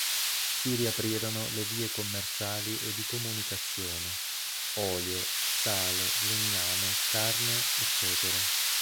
Si riaprirono le vie commerciali e di comunicazione: olio, sale, legname, carne, ecc.